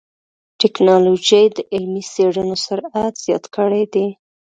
ټکنالوجي د علمي څېړنو سرعت زیات کړی دی.